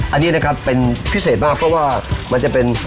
อันนี้นะครับเป็นพิเศษมากเพราะว่ามันจะเป็น